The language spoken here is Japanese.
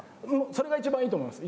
それが一番いいと思います。